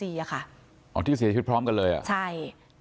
อ๋อที่เสียชีวิตพร้อมกันเลยอ่ะใช่